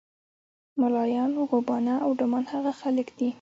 ملایان، غوبانه او ډمان هغه خلک دي.